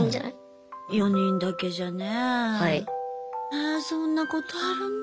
えそんなことあるんだ。